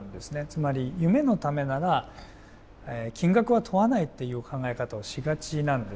つまり夢のためなら金額は問わないっていう考え方をしがちなんですね。